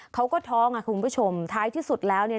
เขาก็ท้องคุณผู้ชมท้ายที่สุดแล้ว